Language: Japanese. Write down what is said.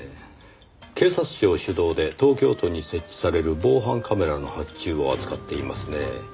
警察庁主導で東京都に設置される防犯カメラの発注を扱っていますねぇ。